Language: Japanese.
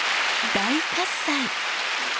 大喝采！